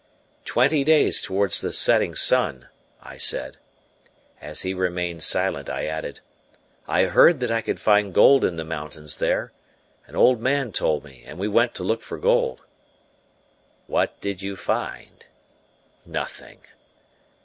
"Twenty days towards the setting sun," I said. As he remained silent I added: "I heard that I could find gold in the mountains there. An old man told me, and we went to look for gold." "What did you find?" "Nothing."